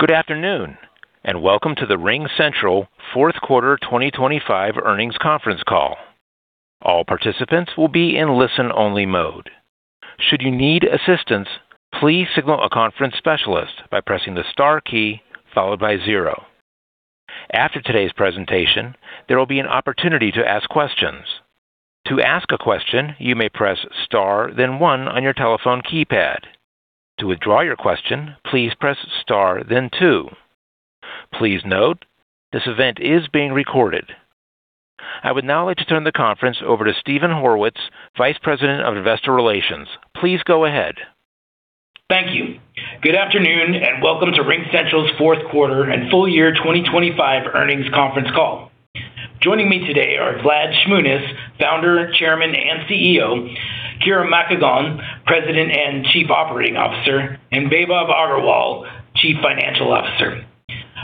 Good afternoon, and welcome to the RingCentral Fourth Quarter 2025 Earnings Conference Call. All participants will be in listen-only mode. Should you need assistance, please signal a conference specialist by pressing the star key followed by zero. After today's presentation, there will be an opportunity to ask questions. To ask a question, you may press star, then one on your telephone keypad. To withdraw your question, please press star, then two. Please note, this event is being recorded. I would now like to turn the conference over to Steven Horwitz, Vice President of Investor Relations. Please go ahead. Thank you. Good afternoon, and welcome to RingCentral's Fourth Quarter and Full Year 2025 Earnings Conference Call. Joining me today are Vlad Shmunis, Founder, Chairman, and CEO, Kira Makagon, President and Chief Operating Officer, and Vaibhav Agarwal, Chief Financial Officer.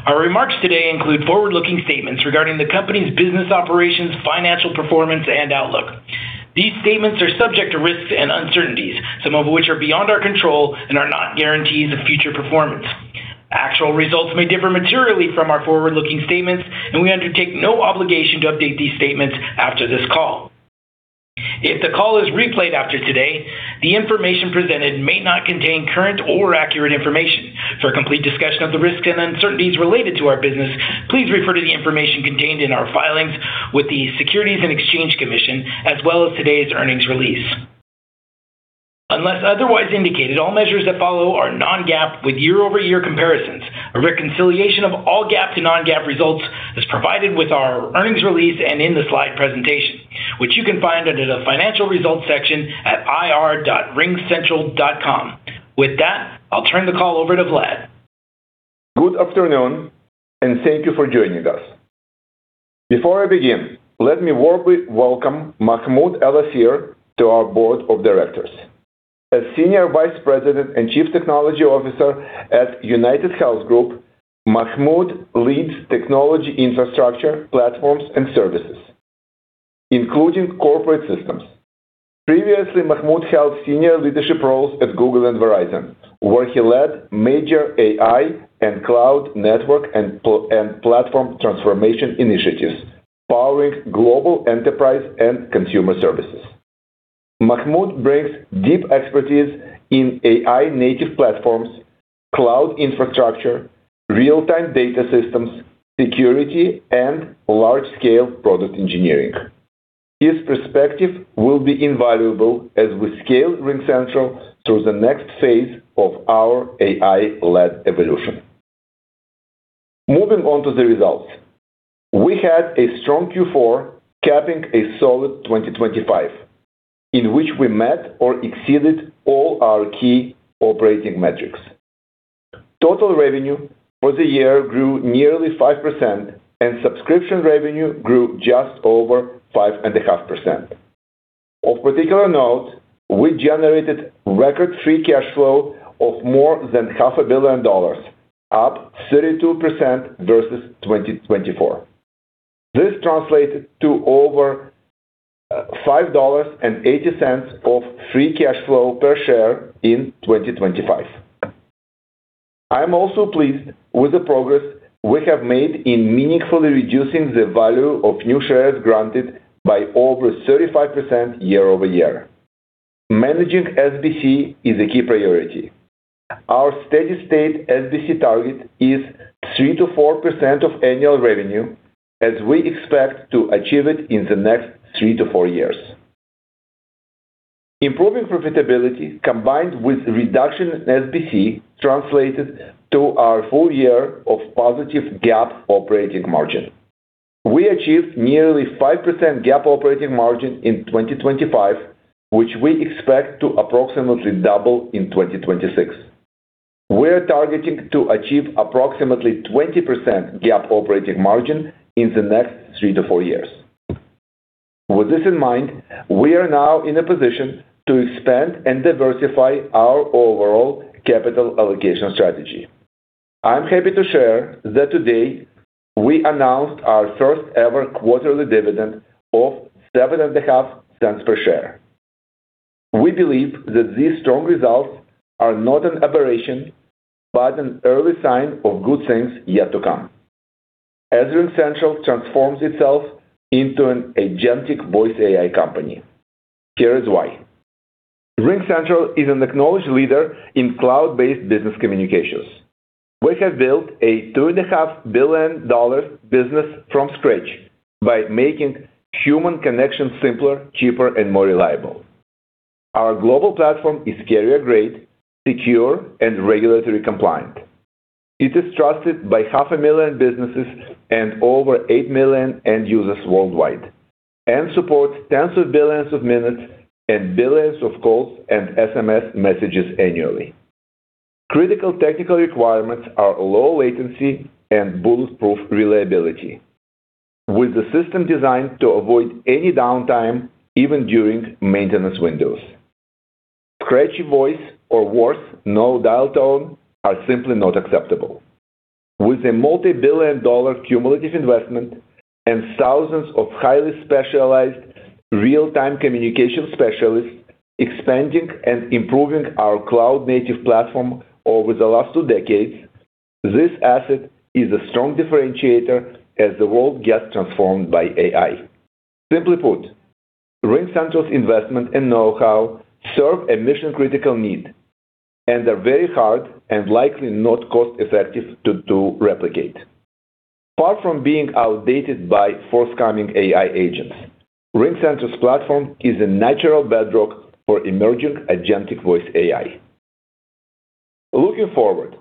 Our remarks today include forward-looking statements regarding the company's business operations, financial performance, and outlook. These statements are subject to risks and uncertainties, some of which are beyond our control and are not guarantees of future performance. Actual results may differ materially from our forward-looking statements, and we undertake no obligation to update these statements after this call. If the call is replayed after today, the information presented may not contain current or accurate information. For a complete discussion of the risks and uncertainties related to our business, please refer to the information contained in our filings with the Securities and Exchange Commission, as well as today's earnings release. Unless otherwise indicated, all measures that follow are non-GAAP with year-over-year comparisons. A reconciliation of all GAAP to non-GAAP results is provided with our earnings release and in the slide presentation, which you can find under the Financial Results section at ir.ringcentral.com. With that, I'll turn the call over to Vlad. Good afternoon, and thank you for joining us. Before I begin, let me warmly welcome Mahmoud ElAssir to our board of directors. As Senior Vice President and Chief Technology Officer at UnitedHealth Group, Mahmoud leads technology infrastructure, platforms, and services, including corporate systems. Previously, Mahmoud held senior leadership roles at Google and Verizon, where he led major AI and cloud network and platform transformation initiatives, powering global enterprise and consumer services. Mahmoud brings deep expertise in AI-native platforms, cloud infrastructure, real-time data systems, security, and large-scale product engineering. His perspective will be invaluable as we scale RingCentral through the next phase of our AI-led evolution. Moving on to the results. We had a strong Q4, capping a solid 2025, in which we met or exceeded all our key operating metrics. Total revenue for the year grew nearly 5%, and subscription revenue grew just over 5.5%. Of particular note, we generated record free cash flow of more than $500 million, up 32% versus 2024. This translated to over $5.80 of free cash flow per share in 2025. I am also pleased with the progress we have made in meaningfully reducing the value of new shares granted by over 35% year-over-year. Managing SBC is a key priority. Our steady-state SBC target is 3%-4% of annual revenue, as we expect to achieve it in the next three to four years. Improving profitability, combined with reduction in SBC, translated to our full year of positive GAAP operating margin. We achieved nearly 5% GAAP operating margin in 2025, which we expect to approximately double in 2026. We are targeting to achieve approximately 20% GAAP operating margin in the next three to four years. With this in mind, we are now in a position to expand and diversify our overall capital allocation strategy. I'm happy to share that today we announced our first-ever quarterly dividend of $0.075 per share. We believe that these strong results are not an aberration, but an early sign of good things yet to come as RingCentral transforms itself into an agentic voice AI company. Here is why. RingCentral is an acknowledged leader in cloud-based business communications. We have built a $2.5 billion business from scratch by making human connection simpler, cheaper, and more reliable. Our global platform is carrier-grade, secure, and regulatory compliant. It is trusted by 500,000 businesses and over 8 million end users worldwide and supports tens of billions of minutes and billions of calls and SMS messages annually. Critical technical requirements are low latency and bulletproof reliability, with the system designed to avoid any downtime, even during maintenance windows. Scratchy voice or worse, no dial tone, are simply not acceptable. With a multi-billion dollar cumulative investment and thousands of highly specialized real-time communication specialists expanding and improving our cloud-native platform over the last two decades, this asset is a strong differentiator as the world gets transformed by AI. Simply put, RingCentral's investment and know-how serve a mission-critical need, and are very hard and likely not cost-effective to replicate. Apart from being outdated by forthcoming AI agents, RingCentral's platform is a natural bedrock for emerging agentic voice AI. Looking forward,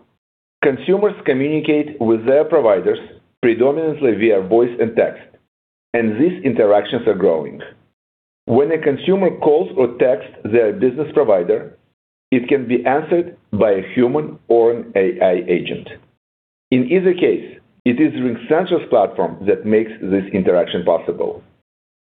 consumers communicate with their providers predominantly via voice and text, and these interactions are growing. When a consumer calls or texts their business provider, it can be answered by a human or an AI agent. In either case, it is RingCentral's platform that makes this interaction possible.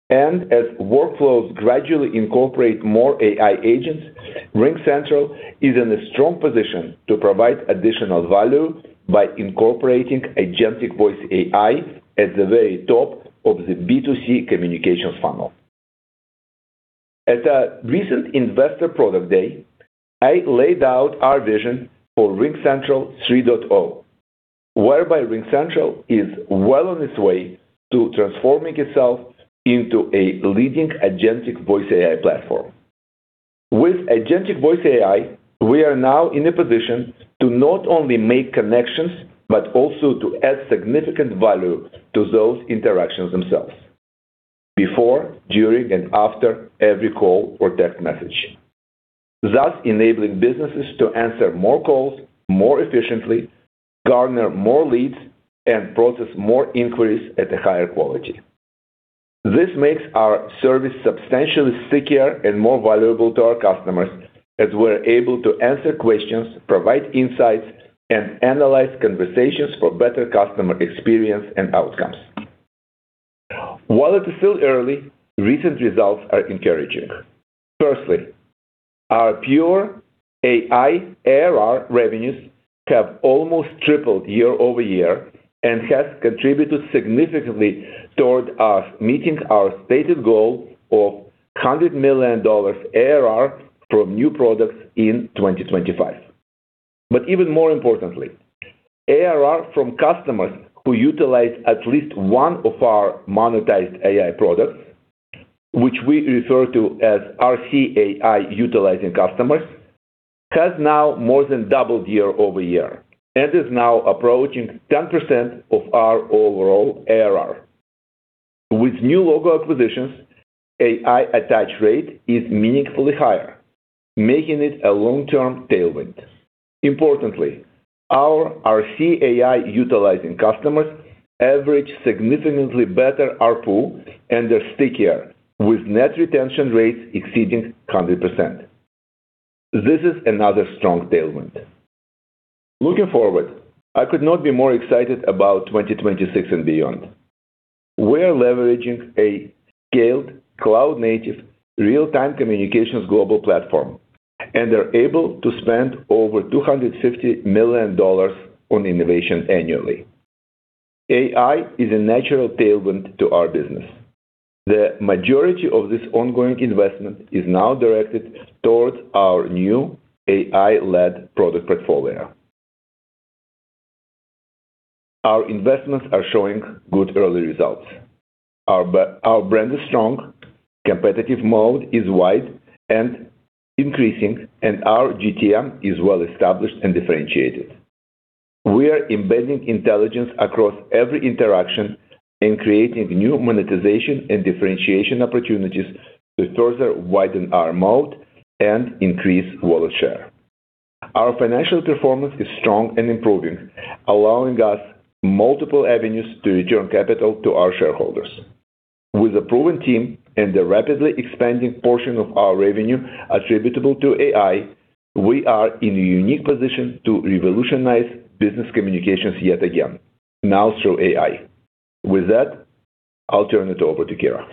And as workflows gradually incorporate more AI agents, RingCentral is in a strong position to provide additional value by incorporating agentic voice AI at the very top of the B2C communications funnel. At a recent Investor Product Day, I laid out our vision for RingCentral 3.0, whereby RingCentral is well on its way to transforming itself into a leading agentic voice AI platform. With agentic voice AI, we are now in a position to not only make connections, but also to add significant value to those interactions themselves, before, during, and after every call or text message, thus enabling businesses to answer more calls more efficiently, garner more leads, and process more inquiries at a higher quality. This makes our service substantially stickier and more valuable to our customers as we're able to answer questions, provide insights, and analyze conversations for better customer experience and outcomes. While it is still early, recent results are encouraging. Firstly, our pure AI ARR revenues have almost tripled year-over-year, and has contributed significantly toward us meeting our stated goal of $100 million ARR from new products in 2025. But even more importantly, ARR from customers who utilize at least one of our monetized AI products, which we refer to as RCAI-utilizing customers, has now more than doubled year-over-year and is now approaching 10% of our overall ARR. With new logo acquisitions, AI attach rate is meaningfully higher, making it a long-term tailwind. Importantly, our RCAI-utilizing customers average significantly better ARPU and are stickier, with net retention rates exceeding 100%. This is another strong tailwind. Looking forward, I could not be more excited about 2026 and beyond. We are leveraging a scaled, cloud-native, real-time communications global platform, and are able to spend over $250 million on innovation annually. AI is a natural tailwind to our business. The majority of this ongoing investment is now directed towards our new AI-led product portfolio. Our investments are showing good early results. Our our brand is strong, competitive moat is wide and increasing, and our GTM is well-established and differentiated. We are embedding intelligence across every interaction and creating new monetization and differentiation opportunities to further widen our moat and increase wallet share. Our financial performance is strong and improving, allowing us multiple avenues to return capital to our shareholders. With a proven team and a rapidly expanding portion of our revenue attributable to AI, we are in a unique position to revolutionize business communications yet again, now through AI. With that, I'll turn it over to Kira.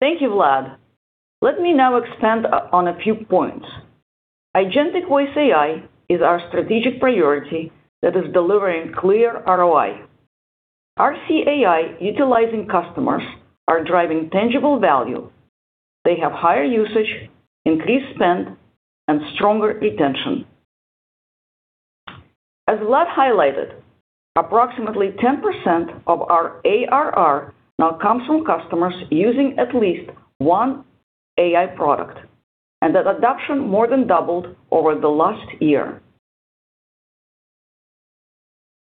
Thank you, Vlad. Let me now expand on a few points. Agentic Voice AI is our strategic priority that is delivering clear ROI. RingCentral AI-utilizing customers are driving tangible value. They have higher usage, increased spend, and stronger retention. As Vlad highlighted, approximately 10% of our ARR now comes from customers using at least one AI product, and that adoption more than doubled over the last year.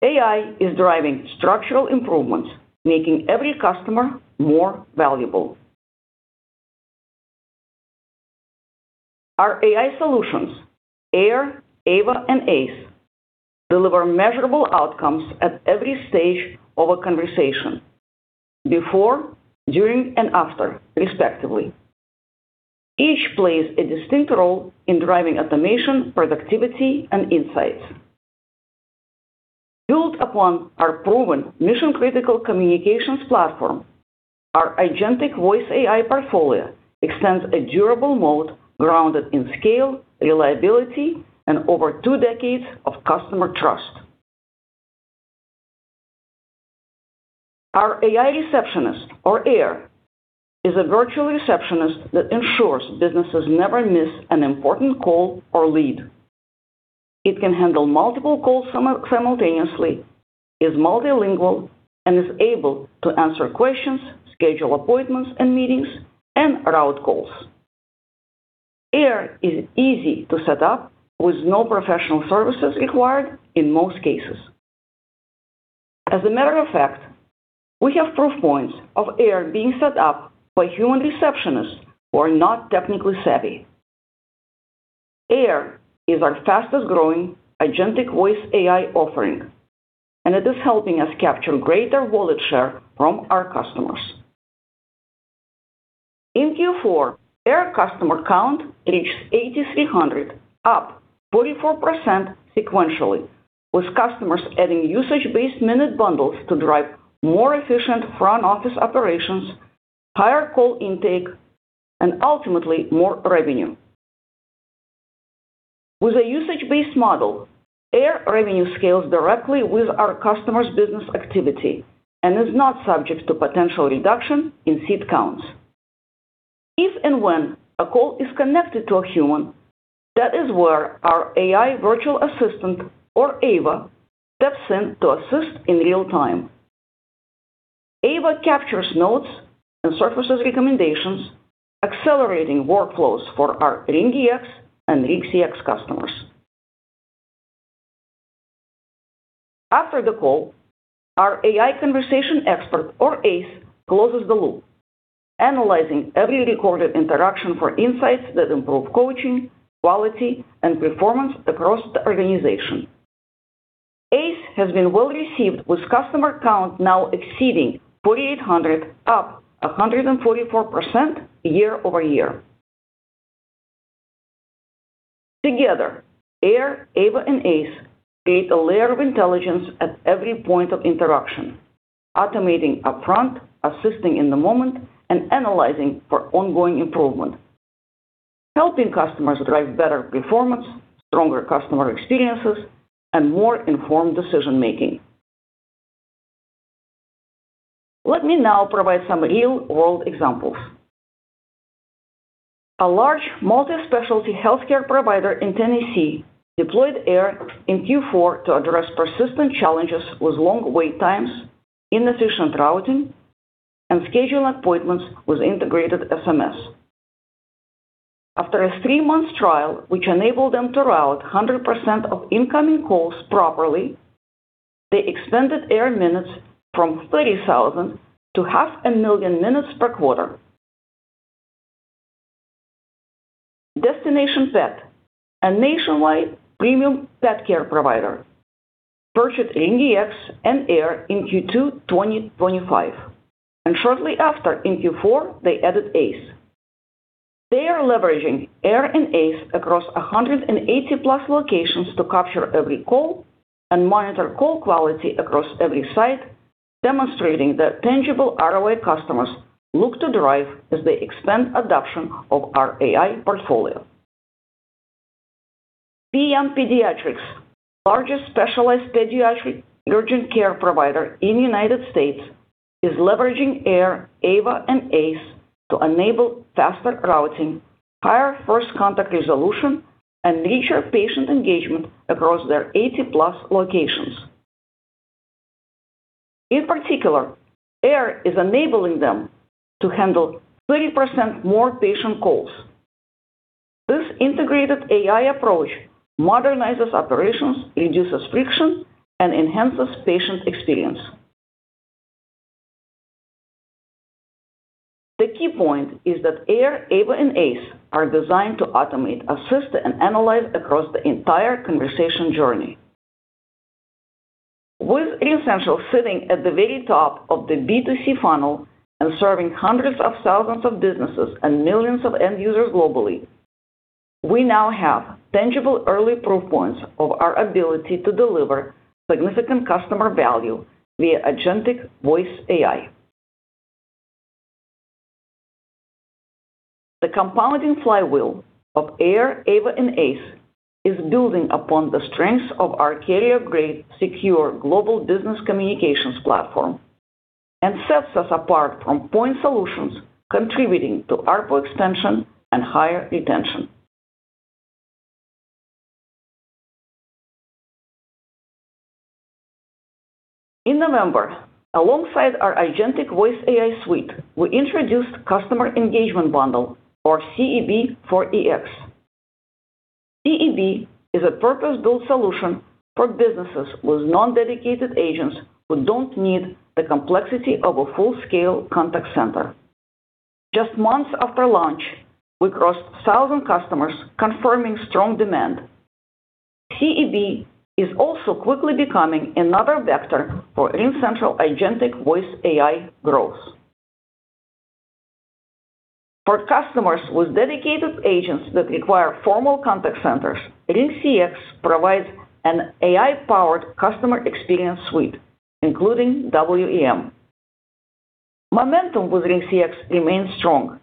AI is driving structural improvements, making every customer more valuable. Our AI solutions, AIR, AVA, and ACE, deliver measurable outcomes at every stage of a conversation, before, during, and after, respectively. Each plays a distinct role in driving automation, productivity, and insights. Built upon our proven mission-critical communications platform, our agentic voice AI portfolio extends a durable moat grounded in scale, reliability, and over two decades of customer trust.... Our AI receptionist, or AIR, is a virtual receptionist that ensures businesses never miss an important call or lead. It can handle multiple calls simultaneously, is multilingual, and is able to answer questions, schedule appointments and meetings, and route calls. AIR is easy to set up with no professional services required in most cases. As a matter of fact, we have proof points of AIR being set up by human receptionists who are not technically savvy. AIR is our fastest-growing agentic voice AI offering, and it is helping us capture greater wallet share from our customers. In Q4, AIR customer count reached 8,300, up 44% sequentially, with customers adding usage-based minute bundles to drive more efficient front office operations, higher call intake, and ultimately, more revenue. With a usage-based model, AIR revenue scales directly with our customer's business activity and is not subject to potential reduction in seat counts. If and when a call is connected to a human, that is where our AI virtual assistant, or AVA, steps in to assist in real time. AVA captures notes and surfaces recommendations, accelerating workflows for our RingEX and RingCX customers. After the call, our AI conversation expert, or ACE, closes the loop, analyzing every recorded interaction for insights that improve coaching, quality, and performance across the organization. ACE has been well-received, with customer count now exceeding 4,800, up 144% year-over-year. Together, AIR, AVA, and ACE create a layer of intelligence at every point of interaction, automating upfront, assisting in the moment, and analyzing for ongoing improvement, helping customers drive better performance, stronger customer experiences, and more informed decision-making. Let me now provide some real-world examples. A large multi-specialty healthcare provider in Tennessee deployed AIR in Q4 to address persistent challenges with long wait times, inefficient routing, and scheduling appointments with integrated SMS. After a three month trial, which enabled them to route 100% of incoming calls properly, they extended AIR minutes from 30,000 to 500,000 minutes per quarter. Destination Pet, a nationwide premium pet care provider, purchased RingCX and AIR in Q2 2025, and shortly after in Q4, they added ACE. They are leveraging AIR and ACE across 180+ locations to capture every call and monitor call quality across every site, demonstrating the tangible ROI customers look to derive as they expand adoption of our AI portfolio. PM Pediatrics, largest specialized pediatric urgent care provider in the United States, is leveraging AIR, AVA, and ACE to enable faster routing, higher first contact resolution, and richer patient engagement across their 80+ locations. In particular, AIR is enabling them to handle 30% more patient calls. This integrated AI approach modernizes operations, reduces friction, and enhances patient experience. The key point is that AIR, AVA, and ACE are designed to automate, assist, and analyze across the entire conversation journey. With RingEX sitting at the very top of the B2C funnel and serving hundreds of thousands of businesses and millions of end users globally, we now have tangible early proof points of our ability to deliver significant customer value via agentic voice AI. The compounding flywheel of AIR, AVA, and ACE is building upon the strengths of our carrier-grade, secure global business communications platform and sets us apart from point solutions, contributing to ARPU extension and higher retention. In November, alongside our agentic voice AI suite, we introduced Customer Engagement Bundle, or CEB for EX. CEB is a purpose-built solution for businesses with non-dedicated agents who don't need the complexity of a full-scale contact center. Just months after launch, we crossed 1,000 customers, confirming strong demand. CEB is also quickly becoming another vector for RingCentral agentic voice AI growth. For customers with dedicated agents that require formal contact centers, RingCX provides an AI-powered customer experience suite, including WEM. Momentum with RingCX remains strong,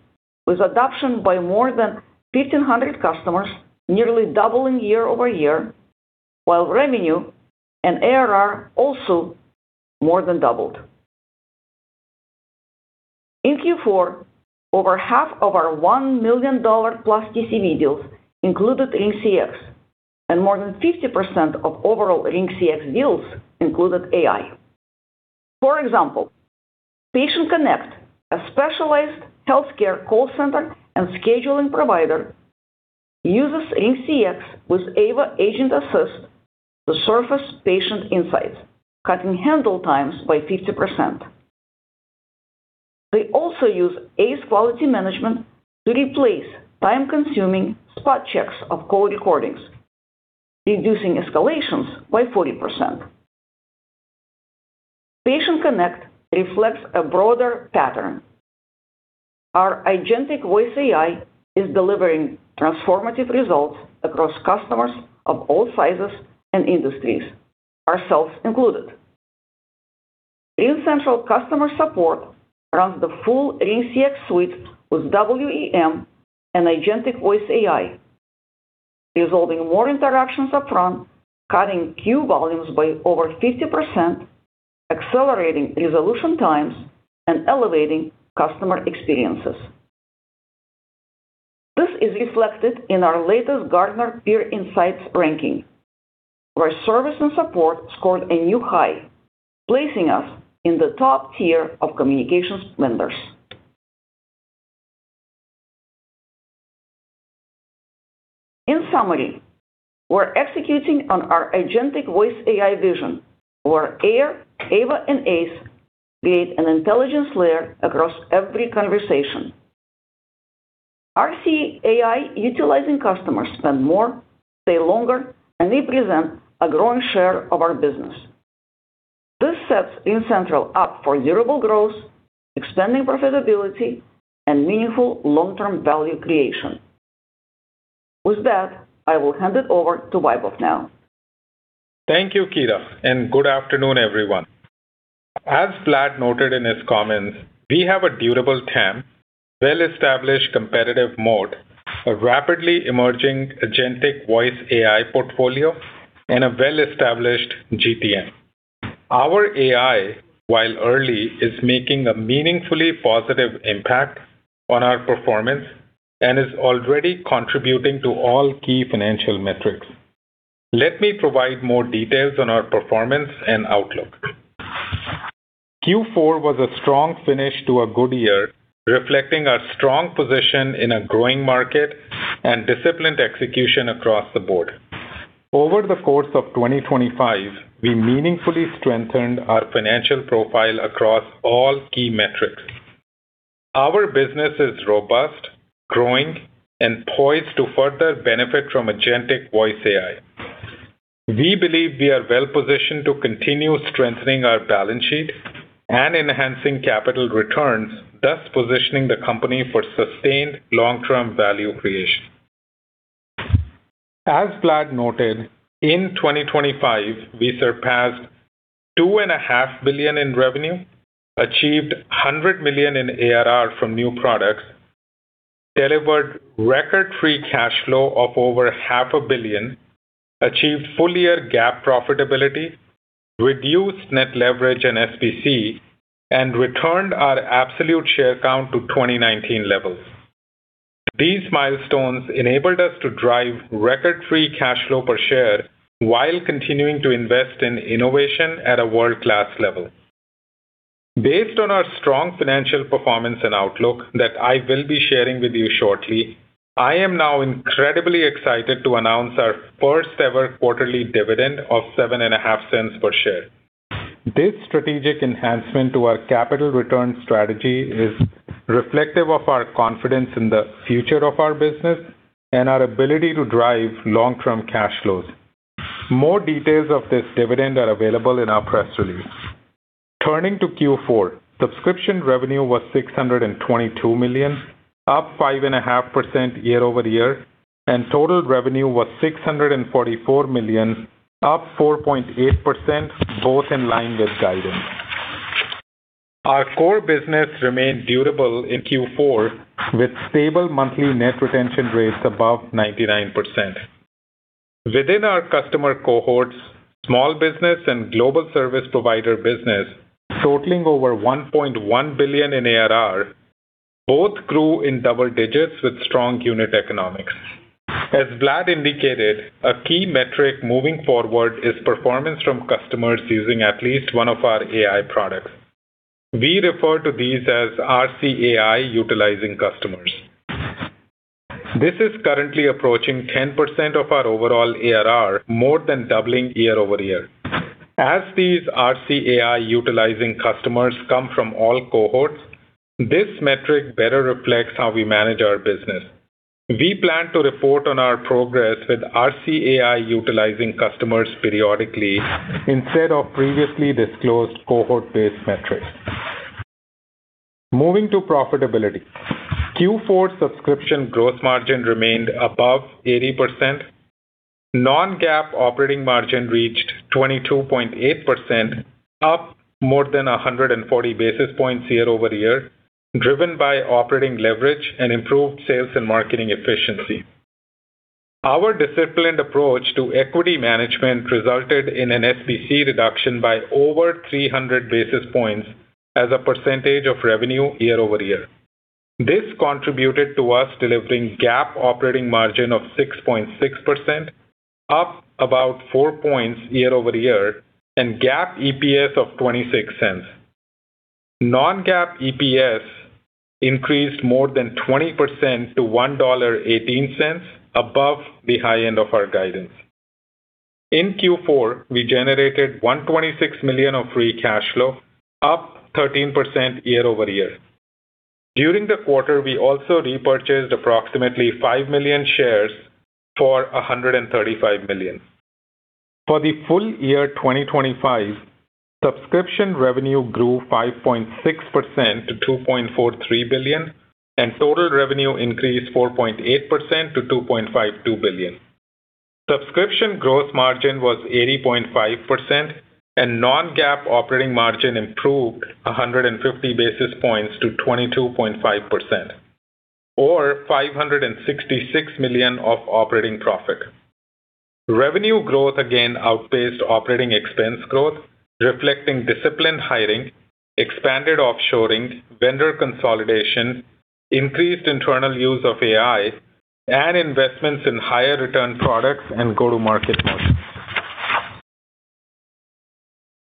with adoption by more than 1,500 customers, nearly doubling year-over-year, while revenue and ARR also more than doubled. In Q4, over half of our $1 million+ TCV deals included RingCX, and more than 50% of overall RingCX deals included AI. For example, Patient Connect, a specialized healthcare call center and scheduling provider, uses RingCX with AVA Agent Assist to surface patient insights, cutting handle times by 50%. They also use ACE Quality Management to replace time-consuming spot checks of call recordings, reducing escalations by 40%. Patient Connect reflects a broader pattern. Our agentic voice AI is delivering transformative results across customers of all sizes and industries, ourselves included. RingCentral customer support runs the full RingCX suite with WEM and agentic voice AI, resolving more interactions upfront, cutting queue volumes by over 50%, accelerating resolution times, and elevating customer experiences. This is reflected in our latest Gartner Peer Insights ranking, where service and support scored a new high, placing us in the top tier of communications vendors. In summary, we're executing on our agentic voice AI vision, where AIR, AVA, and ACE create an intelligence layer across every conversation. RCAI-utilizing customers spend more, stay longer, and they present a growing share of our business. This sets RingCentral up for durable growth, extending profitability, and meaningful long-term value creation. With that, I will hand it over to Vaibhav now. Thank you, Kira, and good afternoon, everyone. As Vlad noted in his comments, we have a durable TAM, well-established competitive moat, a rapidly emerging agentic voice AI portfolio, and a well-established GTM. Our AI, while early, is making a meaningfully positive impact on our performance and is already contributing to all key financial metrics. Let me provide more details on our performance and outlook. Q4 was a strong finish to a good year, reflecting our strong position in a growing market and disciplined execution across the board. Over the course of 2025, we meaningfully strengthened our financial profile across all key metrics. Our business is robust, growing, and poised to further benefit from agentic voice AI. We believe we are well positioned to continue strengthening our balance sheet and enhancing capital returns, thus positioning the company for sustained long-term value creation. As Vlad noted, in 2025, we surpassed $2.5 billion in revenue, achieved $100 million in ARR from new products, delivered record free cash flow of over $500 million, achieved full-year GAAP profitability, reduced net leverage and SBC, and returned our absolute share count to 2019 levels. These milestones enabled us to drive record free cash flow per share while continuing to invest in innovation at a world-class level. Based on our strong financial performance and outlook that I will be sharing with you shortly, I am now incredibly excited to announce our first-ever quarterly dividend of $0.075 per share. This strategic enhancement to our capital return strategy is reflective of our confidence in the future of our business and our ability to drive long-term cash flows. More details of this dividend are available in our press release. Turning to Q4, subscription revenue was $622 million, up 5.5% year-over-year, and total revenue was $644 million, up 4.8%, both in line with guidance. Our core business remained durable in Q4, with stable monthly net retention rates above 99%. Within our customer cohorts, small business and global service provider business, totaling over $1.1 billion in ARR, both grew in double digits with strong unit economics. As Vlad indicated, a key metric moving forward is performance from customers using at least one of our AI products. We refer to these as RCAI-utilizing customers. This is currently approaching 10% of our overall ARR, more than doubling year-over-year. As these RCAI-utilizing customers come from all cohorts, this metric better reflects how we manage our business. We plan to report on our progress with RCAI-utilizing customers periodically instead of previously disclosed cohort-based metrics. Moving to profitability. Q4 subscription gross margin remained above 80%. Non-GAAP operating margin reached 22.8%, up more than 140 basis points year-over-year, driven by operating leverage and improved sales and marketing efficiency. Our disciplined approach to equity management resulted in an SBC reduction by over 300 basis points as a percentage of revenue year-over-year. This contributed to us delivering GAAP operating margin of 6.6%, up about 4 points year-over-year, and GAAP EPS of $0.26. Non-GAAP EPS increased more than 20% to $1.18, above the high end of our guidance. In Q4, we generated $126 million of free cash flow, up 13% year-over-year. During the quarter, we also repurchased approximately 5 million shares for $135 million. For the full year 2025, subscription revenue grew 5.6% to $2.43 billion, and total revenue increased 4.8% to $2.52 billion. Subscription gross margin was 80.5%, and non-GAAP operating margin improved 150 basis points to 22.5%, or $566 million of operating profit. Revenue growth again outpaced operating expense growth, reflecting disciplined hiring, expanded offshoring, vendor consolidation, increased internal use of AI, and investments in higher return products and go-to-market models.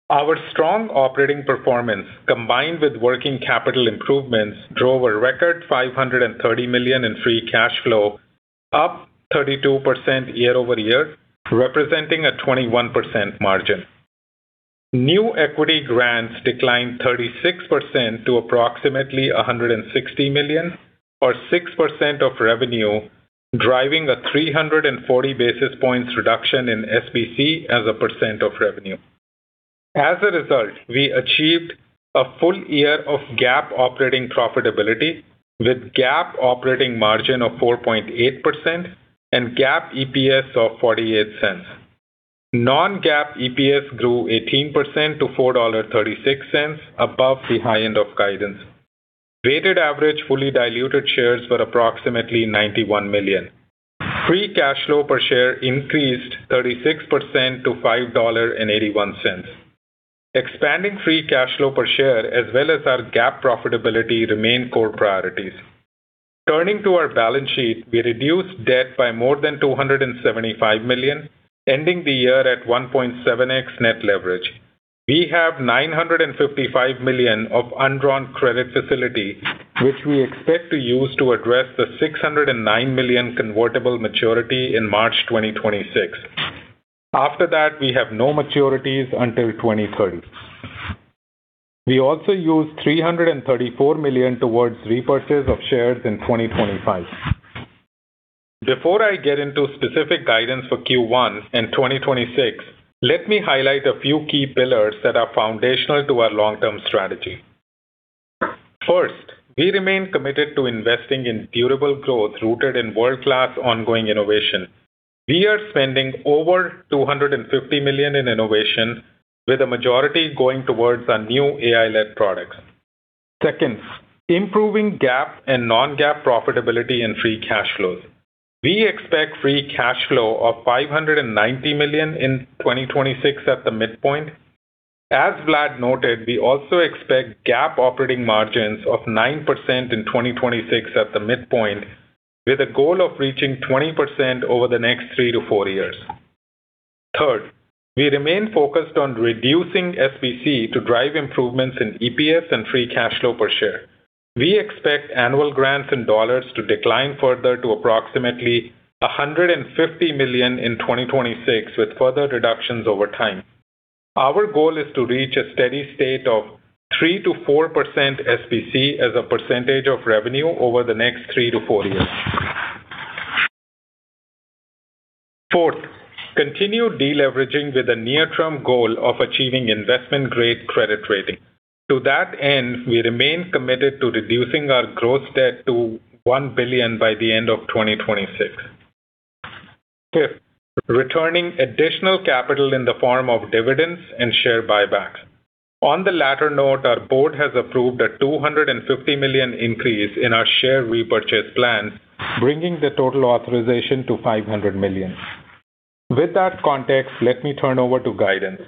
Our strong operating performance, combined with working capital improvements, drove a record $530 million in free cash flow, up 32% year-over-year, representing a 21% margin. New equity grants declined 36% to approximately $160 million, or 6% of revenue, driving a 340 basis points reduction in SBC as a percent of revenue. As a result, we achieved a full year of GAAP operating profitability with GAAP operating margin of 4.8% and GAAP EPS of $0.48. Non-GAAP EPS grew 18% to $4.36, above the high end of guidance. Weighted average fully diluted shares were approximately 91 million. Free cash flow per share increased 36% to $5.81. Expanding free cash flow per share, as well as our GAAP profitability, remain core priorities. Turning to our balance sheet, we reduced debt by more than $275 million, ending the year at 1.7x net leverage. We have $955 million of undrawn credit facility, which we expect to use to address the $609 million convertible maturity in March 2026. After that, we have no maturities until 2030. We also used $334 million towards repurchase of shares in 2025. Before I get into specific guidance for Q1 in 2026, let me highlight a few key pillars that are foundational to our long-term strategy. First, we remain committed to investing in durable growth rooted in world-class ongoing innovation. We are spending over $250 million in innovation, with a majority going towards our new AI-led products. Second, improving GAAP and non-GAAP profitability and free cash flows. We expect free cash flow of $590 million in 2026 at the midpoint. As Vlad noted, we also expect GAAP operating margins of 9% in 2026 at the midpoint, with a goal of reaching 20% over the next three to four years. Third, we remain focused on reducing SBC to drive improvements in EPS and free cash flow per share. We expect annual grants in dollars to decline further to approximately $150 million in 2026, with further reductions over time. Our goal is to reach a steady state of 3%-4% SBC as a percentage of revenue over the next three to four years. Fourth, continue deleveraging with a near-term goal of achieving investment-grade credit rating. To that end, we remain committed to reducing our gross debt to $1 billion by the end of 2026. Fifth, returning additional capital in the form of dividends and share buybacks. On the latter note, our board has approved a $250 million increase in our share repurchase plan, bringing the total authorization to $500 million. With that context, let me turn over to guidance.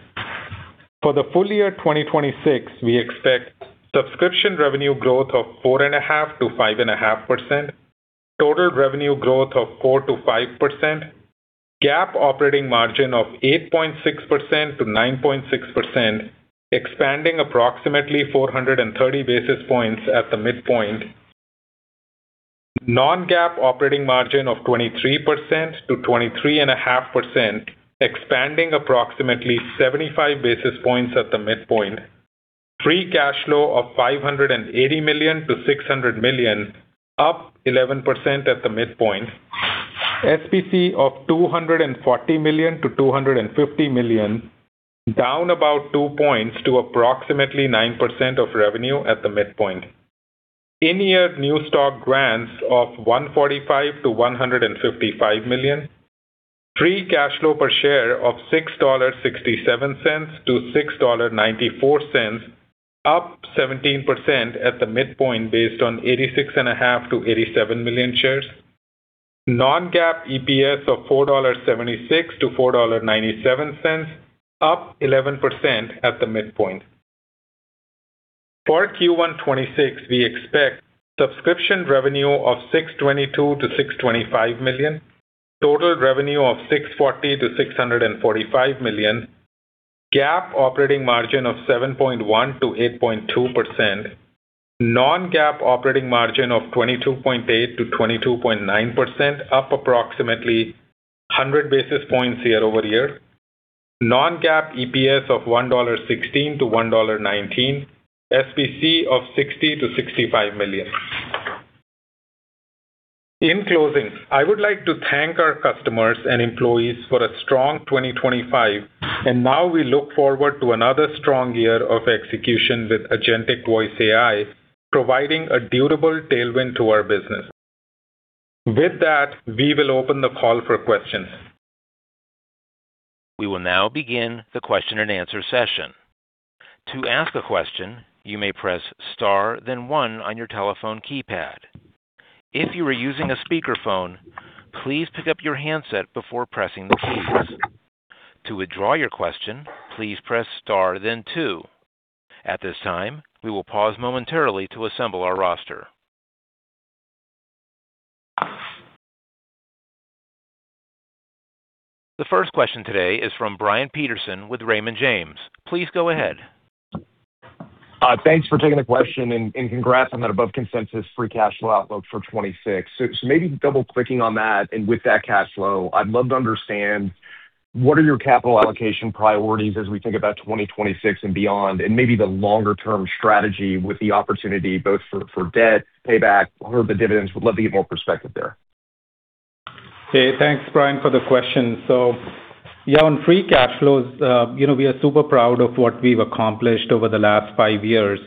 For the full year 2026, we expect subscription revenue growth of 4.5%-5.5%, total revenue growth of 4%-5%, GAAP operating margin of 8.6%-9.6%, expanding approximately 430 basis points at the midpoint, non-GAAP operating margin of 23%-23.5%, expanding approximately 75 basis points at the midpoint, free cash flow of $580 million-$600 million, up 11% at the midpoint, SBC of $240 million-$250 million, down about 2 points to approximately 9% of revenue at the midpoint.... In-year new stock grants of $145 million-$155 million. Free cash flow per share of $6.67-$6.94, up 17% at the midpoint based on 86.5-87 million shares. Non-GAAP EPS of $4.76-$4.97, up 11% at the midpoint. For Q1 2026, we expect subscription revenue of $622 million-$625 million, total revenue of $640 million-$645 million, GAAP operating margin of 7.1%-8.2%, non-GAAP operating margin of 22.8%-22.9%, up approximately 100 basis points year-over-year. Non-GAAP EPS of $1.16-$1.19, SBC of $60 million-$65 million. In closing, I would like to thank our customers and employees for a strong 2025, and now we look forward to another strong year of execution with Agentic Voice AI, providing a durable tailwind to our business. With that, we will open the call for questions. We will now begin the question-and-answer session. To ask a question, you may press star then one on your telephone keypad. If you are using a speakerphone, please pick up your handset before pressing the keys. To withdraw your question, please press star then two. At this time, we will pause momentarily to assemble our roster. The first question today is from Brian Peterson with Raymond James. Please go ahead. Thanks for taking the question, and, and congrats on that above consensus free cash flow outlook for 2026. So, so maybe double-clicking on that, and with that cash flow, I'd love to understand what are your capital allocation priorities as we think about 2026 and beyond, and maybe the longer-term strategy with the opportunity both for, for debt payback or the dividends. Would love to get more perspective there. Hey, thanks, Brian, for the question. So yeah, on free cash flows, you know, we are super proud of what we've accomplished over the last five years,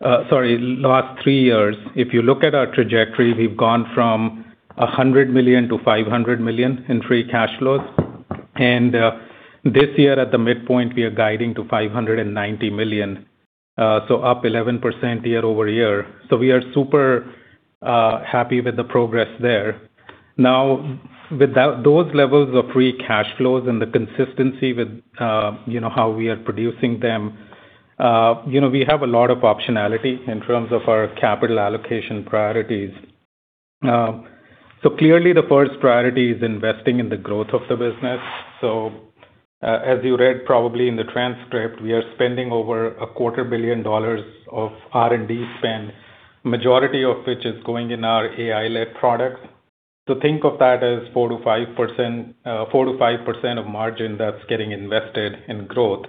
sorry, last three years. If you look at our trajectory, we've gone from $100 million-$500 million in free cash flows, and this year, at the midpoint, we are guiding to $590 million, so up 11% year-over-year. So we are super happy with the progress there. Now, with that those levels of free cash flows and the consistency with, you know, how we are producing them, you know, we have a lot of optionality in terms of our capital allocation priorities. So clearly the first priority is investing in the growth of the business. So, as you read probably in the transcript, we are spending over $250 million of R&D spend, majority of which is going in our AI-led products. So think of that as 4%-5%, 4%-5% of margin that's getting invested in growth.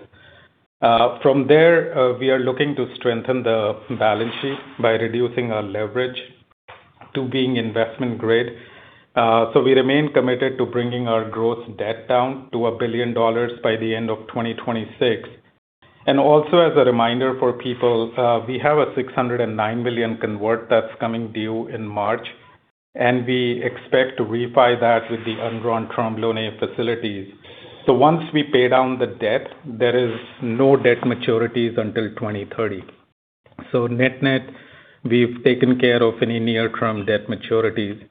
From there, we are looking to strengthen the balance sheet by reducing our leverage to being investment grade. So we remain committed to bringing our growth debt down to $1 billion by the end of 2026. And also, as a reminder for people, we have a $609 million convert that's coming due in March, and we expect to refi that with the undrawn term loan facilities. So once we pay down the debt, there is no debt maturities until 2030. So net-net, we've taken care of any near-term debt maturities.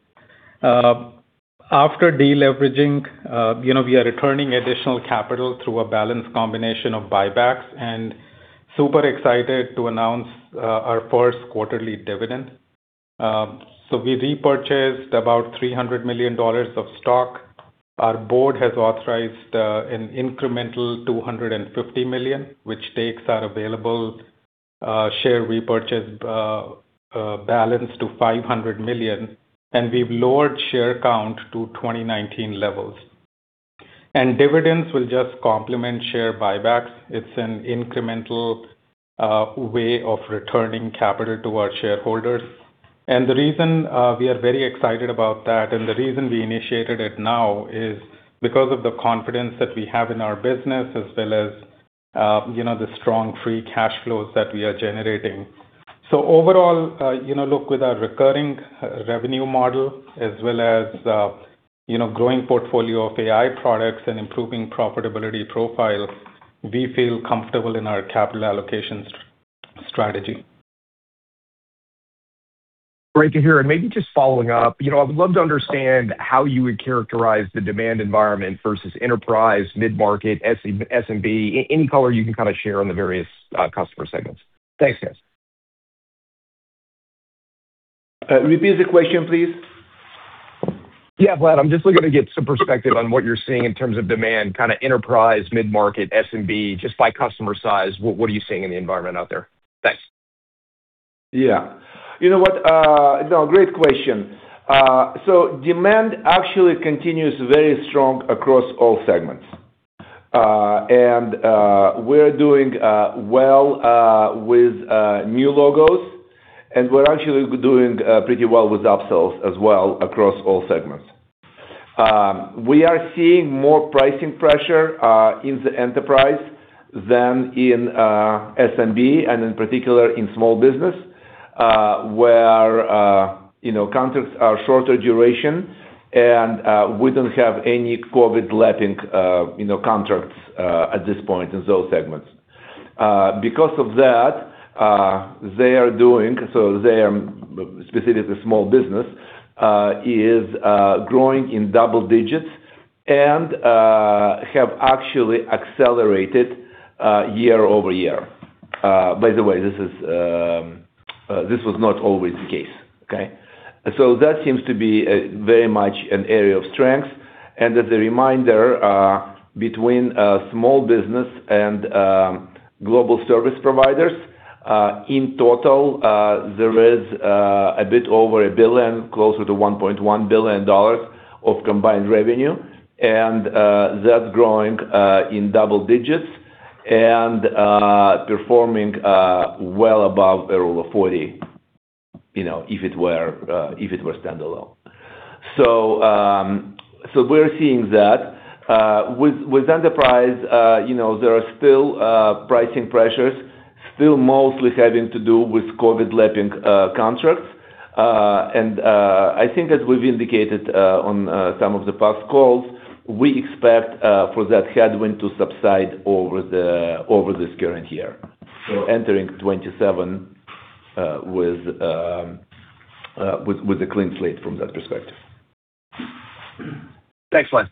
After deleveraging, you know, we are returning additional capital through a balanced combination of buybacks and super excited to announce our first quarterly dividend. So we repurchased about $300 million of stock. Our board has authorized an incremental $250 million, which takes our available share repurchase balance to $500 million, and we've lowered share count to 2019 levels. Dividends will just complement share buybacks. It's an incremental way of returning capital to our shareholders. The reason we are very excited about that and the reason we initiated it now is because of the confidence that we have in our business as well as, you know, the strong free cash flows that we are generating. Overall, you know, look, with our recurring revenue model as well as, you know, growing portfolio of AI products and improving profitability profile, we feel comfortable in our capital allocation strategy. Great to hear. And maybe just following up, you know, I would love to understand how you would characterize the demand environment versus enterprise, mid-market, SMB. Any color you can kind of share on the various customer segments. Thanks, guys. Repeat the question, please. Yeah, Vlad, I'm just looking to get some perspective on what you're seeing in terms of demand, kind of enterprise, mid-market, SMB, just by customer size. What are you seeing in the environment out there? Thanks. Yeah. You know what? No, great question. So demand actually continues very strong across all segments. And we're doing well with new logos, and we're actually doing pretty well with upsells as well across all segments. We are seeing more pricing pressure in the enterprise than in SMB, and in particular, in small business, where you know, contracts are shorter duration, and we don't have any COVID lapping, you know, contracts at this point in those segments. Because of that, they are doing, so they are, specifically the small business is growing in double digits and have actually accelerated year-over-year. By the way, this is, this was not always the case, okay? So that seems to be very much an area of strength. As a reminder, between small business and global service providers, in total, there is a bit over $1 billion, closer to $1.1 billion of combined revenue, and that's growing in double digits and performing well above the Rule of 40, you know, if it were standalone. So we're seeing that. With enterprise, you know, there are still pricing pressures, still mostly having to do with COVID lapping contracts. And I think as we've indicated on some of the past calls, we expect for that headwind to subside over this current year. So entering 2027 with a clean slate from that perspective. Thanks, Vlad.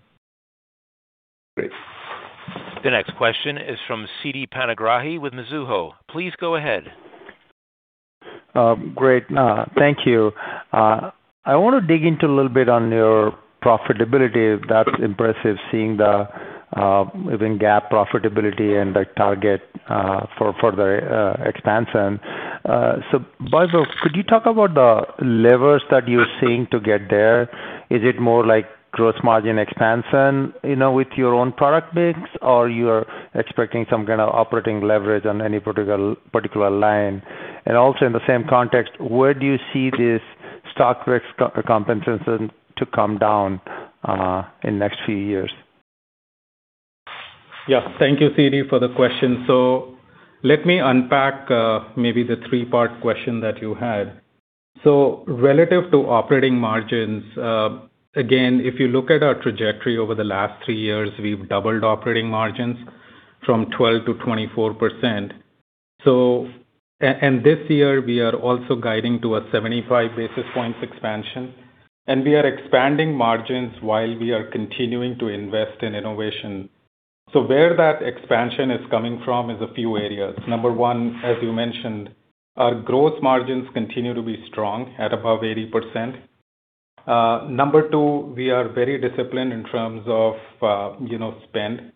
Great. The next question is from Siti Panigrahi with Mizuho. Please go ahead. Great. Thank you. I want to dig into a little bit on your profitability. That's impressive, seeing the leveraging profitability and the target for the expansion. So Vaibhav, could you talk about the levers that you're seeing to get there? Is it more like gross margin expansion, you know, with your own product mix, or you are expecting some kind of operating leverage on any particular line? And also in the same context, where do you see this stock compensation to come down in next few years? Yeah. Thank you, Siti, for the question. So let me unpack maybe the three-part question that you had. So relative to operating margins, again, if you look at our trajectory over the last three years, we've doubled operating margins from 12%-24%. So, and this year, we are also guiding to a 75 basis points expansion, and we are expanding margins while we are continuing to invest in innovation. So where that expansion is coming from is a few areas. Number one, as you mentioned, our gross margins continue to be strong at above 80%. Number two, we are very disciplined in terms of, you know, spend,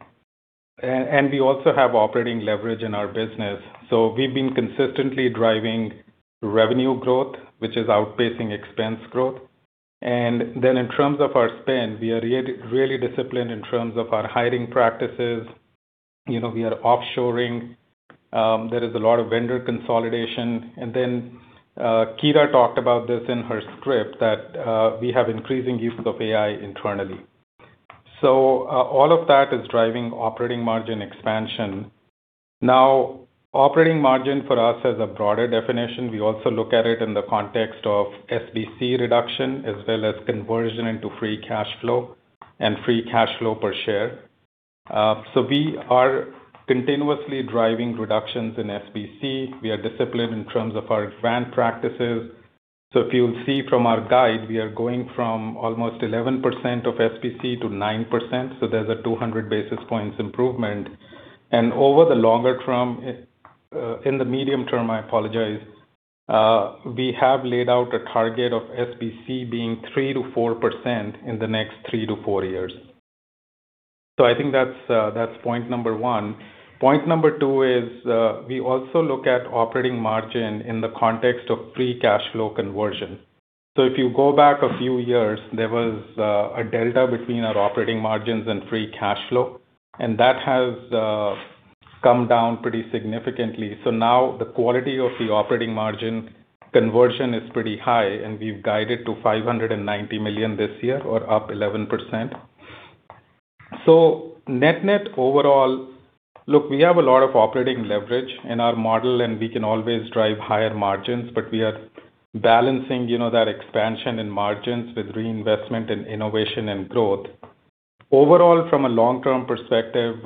and we also have operating leverage in our business. So we've been consistently driving revenue growth, which is outpacing expense growth. And then in terms of our spend, we are really disciplined in terms of our hiring practices. You know, we are offshoring. There is a lot of vendor consolidation. And then, Kira talked about this in her script, that we have increasing use of AI internally. So all of that is driving operating margin expansion. Now, operating margin for us has a broader definition. We also look at it in the context of SBC reduction, as well as conversion into free cash flow and free cash flow per share. So we are continuously driving reductions in SBC. We are disciplined in terms of our hiring practices. So if you'll see from our guide, we are going from almost 11% of SBC to 9%, so there's a 200 basis points improvement. Over the longer term, in the medium term, I apologize, we have laid out a target of SBC being 3%-4% in the next three to four years. So I think that's, that's point number one. Point number two is, we also look at operating margin in the context of free cash flow conversion. So if you go back a few years, there was, a delta between our operating margins and free cash flow, and that has, come down pretty significantly. So now the quality of the operating margin conversion is pretty high, and we've guided to $590 million this year or up 11%. So net-net overall, look, we have a lot of operating leverage in our model, and we can always drive higher margins, but we are balancing, you know, that expansion in margins with reinvestment in innovation and growth. Overall, from a long-term perspective,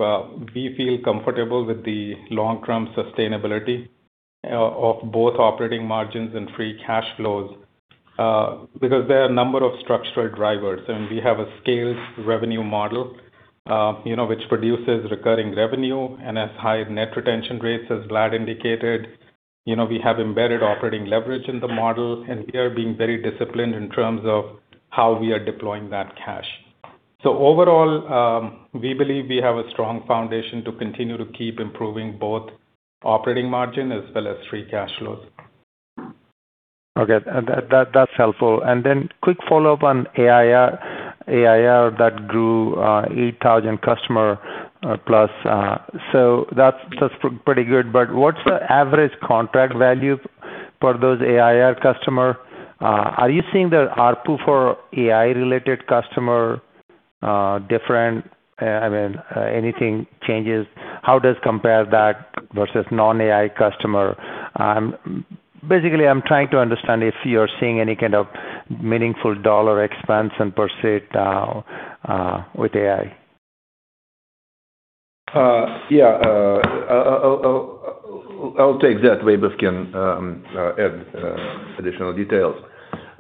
we feel comfortable with the long-term sustainability of both operating margins and free cash flows, because there are a number of structural drivers, and we have a scaled revenue model, you know, which produces recurring revenue and has high net retention rates, as Vlad indicated. You know, we have embedded operating leverage in the model, and we are being very disciplined in terms of how we are deploying that cash. So overall, we believe we have a strong foundation to continue to keep improving both operating margin as well as free cash flows. Okay, and that, that's helpful. And then quick follow-up on AIR. AIR that grew 8,000 customer plus, so that's, that's pretty good. But what's the average contract value? For those AI customer, are you seeing the ARPU for AI related customer different? I mean, anything changes? How does compare that versus non-AI customer? Basically, I'm trying to understand if you're seeing any kind of meaningful dollar expense per seat with AI. Yeah, I'll take that. Vaibhav can add additional details.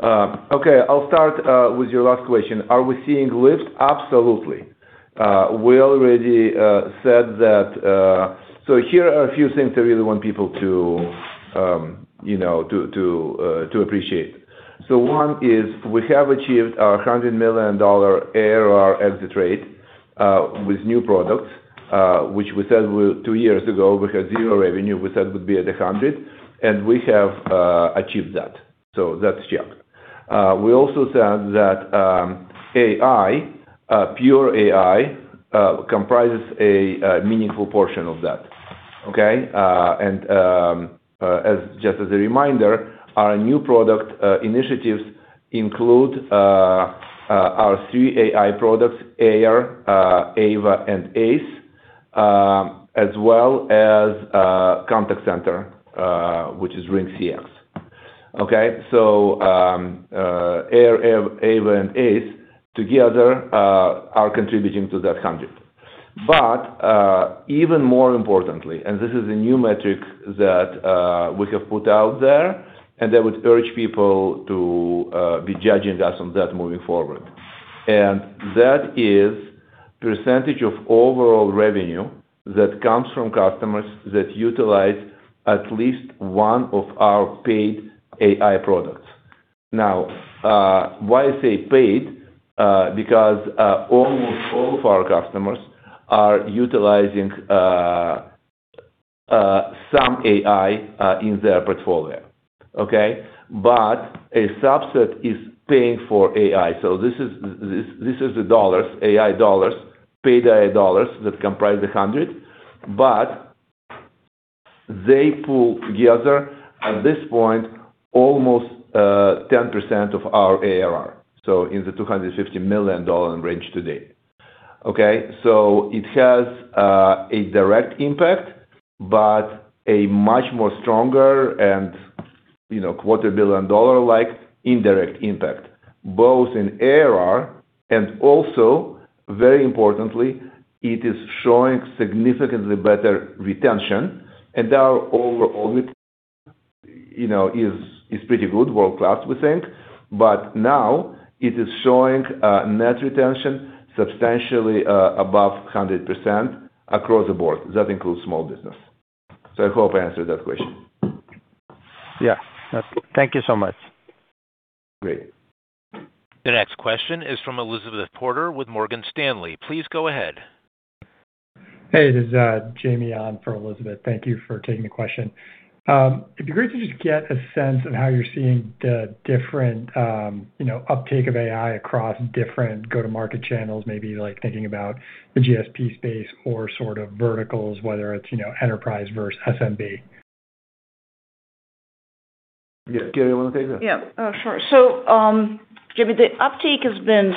Okay, I'll start with your last question. Are we seeing lift? Absolutely. We already said that. So here are a few things I really want people to, you know, to appreciate. So one is we have achieved our $100 million ARR exit rate with new products, which we said two years ago, we had zero revenue. We said would be at 100, and we have achieved that. So that's checked. We also said that AI, pure AI, comprises a meaningful portion of that, okay? As just a reminder, our new product initiatives include our three AI products, AIR, AVA and ACE, as well as contact center, which is RingCX. Okay, so, AIR, AVA and ACE together are contributing to that 100. But, even more importantly, and this is a new metric that we have put out there, and I would urge people to be judging us on that moving forward. That is percentage of overall revenue that comes from customers that utilize at least one of our paid AI products. Now, why I say paid, because almost all of our customers are utilizing some AI in their portfolio, okay? But a subset is paying for AI. So this is, this, this is the dollars, AI dollars, paid AI dollars, that comprise the hundred, but they pull together, at this point, almost 10% of our ARR, so in the $250 million range today. Okay, so it has a direct impact, but a much more stronger and, you know, $250 million-like indirect impact, both in ARR and also, very importantly, it is showing significantly better retention. And our overall re, you know, is, is pretty good, world-class, we think. But now it is showing net retention substantially above 100% across the board. That includes small business. So I hope I answered that question. Yeah. Thank you so much. Great. The next question is from Elizabeth Porter with Morgan Stanley. Please go ahead. Hey, this is Jamie on for Elizabeth. Thank you for taking the question. It'd be great to just get a sense of how you're seeing the different, you know, uptake of AI across different go-to-market channels. Maybe like thinking about the GSP space or sort of verticals, whether it's, you know, enterprise versus SMB. Yeah, Kira you want to take that? Yeah, sure. So, Jamie, the uptake has been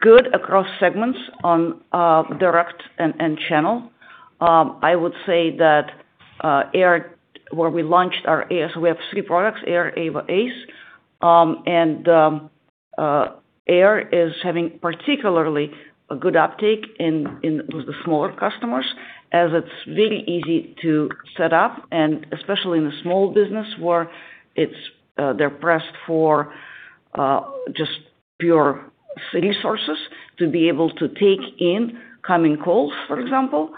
good across segments on direct and channel. I would say that AIR, where we launched our AI, so we have three products, AIR, AVA, ACE. And AIR is having particularly a good uptake in with the smaller customers, as it's very easy to set up, and especially in the small business where it's they're pressed for just pure resources to be able to take in coming calls, for example.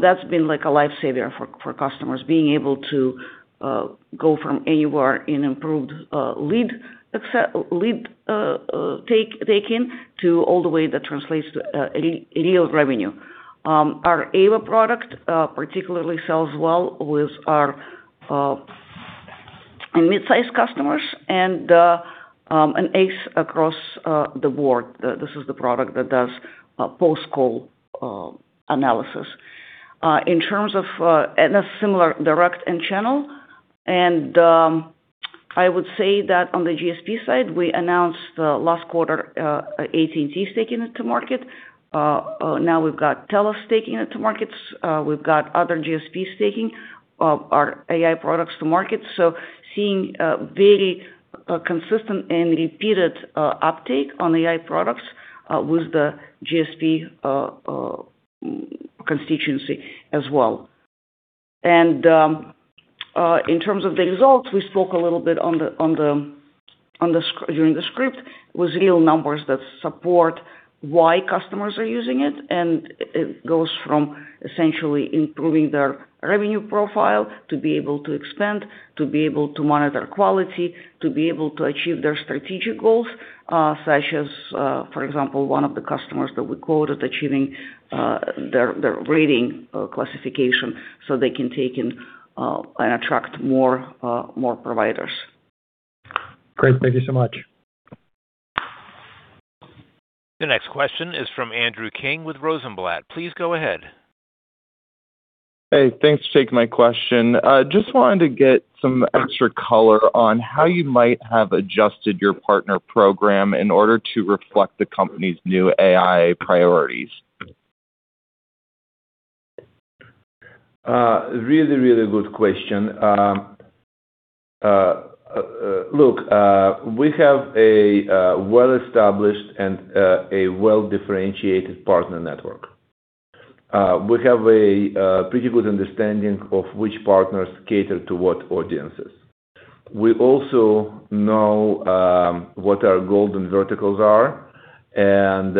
That's been like a lifesaver for customers, being able to go from anywhere in improved lead take in to all the way that translates to real revenue. Our AVA product particularly sells well with our mid-sized customers and ACE across the board. This is the product that does post-call analysis. In terms of and a similar direct and channel, I would say that on the GSP side, we announced last quarter, AT&T is taking it to market. Now we've got TELUS taking it to markets. We've got other GSPs taking our AI products to market. So seeing very consistent and repeated uptake on AI products with the GSP constituency as well. In terms of the results, we spoke a little bit during the script, with real numbers that support why customers are using it. It goes from essentially improving their revenue profile to be able to expand, to be able to monitor quality, to be able to achieve their strategic goals, such as, for example, one of the customers that we quoted achieving their rating classification, so they can take in and attract more providers. Great. Thank you so much. The next question is from Andrew King with Rosenblatt. Please go ahead. Hey, thanks for taking my question. I just wanted to get some extra color on how you might have adjusted your partner program in order to reflect the company's new AI priorities. Really, really good question. Look, we have a well-established and a well-differentiated partner network. We have a pretty good understanding of which partners cater to what audiences. We also know what our golden verticals are, and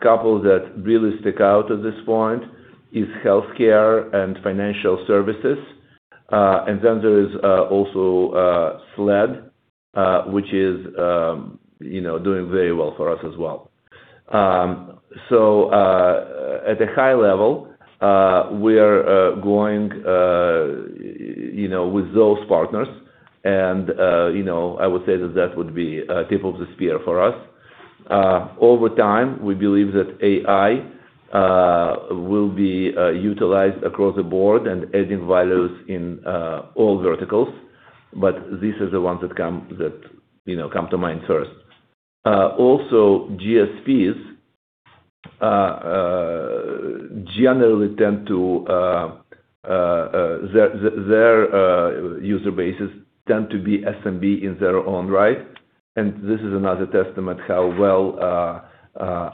couple that really stick out at this point is healthcare and financial services. And then there is also SLED, which is, you know, doing very well for us as well. So, at a high level, we are going, you know, with those partners and, you know, I would say that that would be tip of the spear for us. Over time, we believe that AI will be utilized across the board and adding values in all verticals, but these are the ones that, you know, come to mind first. Also GSPs generally tend to their user bases tend to be SMB in their own right, and this is another testament how well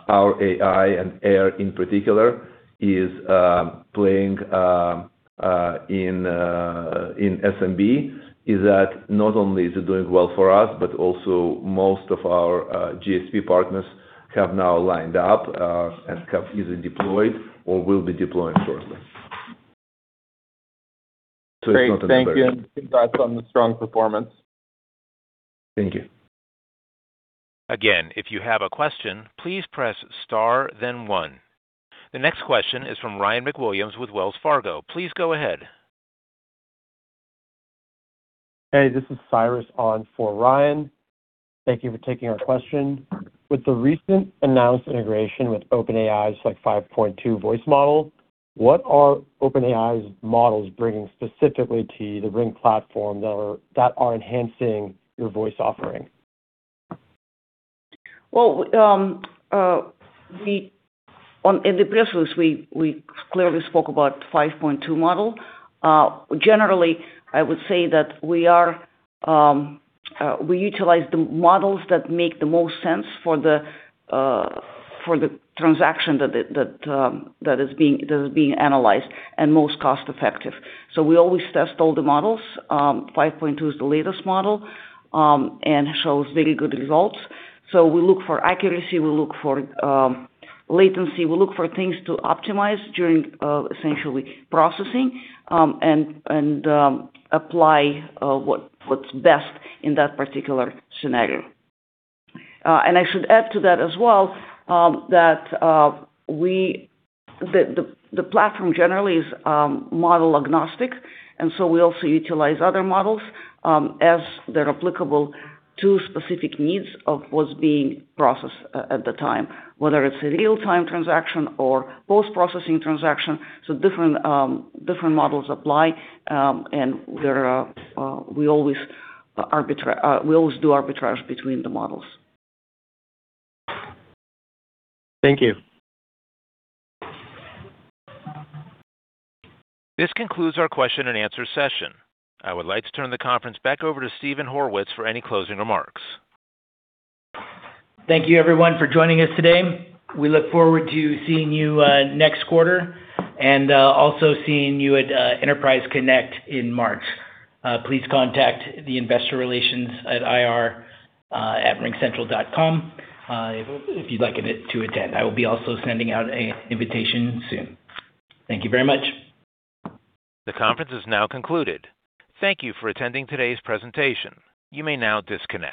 our AI and AI, in particular, is playing in SMB, is that not only is it doing well for us, but also most of our GSP partners have now lined up and have either deployed or will be deploying shortly. Great. Thank you, and congrats on the strong performance. Thank you. Again, if you have a question, please press star then one. The next question is from Ryan MacWilliams with Wells Fargo. Please go ahead. Hey, this is Cyrus on for Ryan. Thank you for taking our question. With the recent announced integration with OpenAI's like 5.2 voice model, what are OpenAI's models bringing specifically to the Ring platform that are enhancing your voice offering? Well, on in the press release, we, we clearly spoke about 5.2 model. Generally, I would say that we are, we utilize the models that make the most sense for the, for the transaction that the, that, that is being, that is being analyzed, and most cost effective. So we always test all the models. 5.2 is the latest model, and shows very good results. So we look for accuracy, we look for, latency, we look for things to optimize during, essentially processing, and, and, apply, what, what's best in that particular scenario. And I should add to that as well, that the platform generally is model agnostic, and so we also utilize other models as they're applicable to specific needs of what's being processed at the time, whether it's a real-time transaction or post-processing transaction. So different models apply, and we always do arbitrage between the models. Thank you. This concludes our question-and-answer session. I would like to turn the conference back over to Steven Horwitz for any closing remarks. Thank you everyone for joining us today. We look forward to seeing you next quarter and also seeing you at Enterprise Connect in March. Please contact the Investor Relations at ir@ringcentral.com if you'd like it to attend. I will be also sending out a invitation soon. Thank you very much. The conference is now concluded. Thank you for attending today's presentation. You may now disconnect.